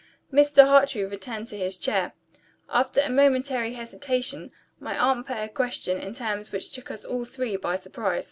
Mr. Hartrey returned to his chair. After a momentary hesitation, my aunt put her question in terms which took us all three by surprise.